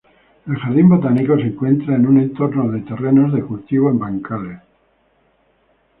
El jardín botánico se encuentra en un entorno de terrenos de cultivo en bancales.